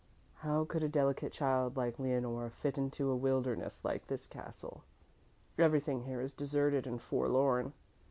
How could a delicate child like Leonore fit into a wilderness like this castle. Everything here is deserted and forlorn.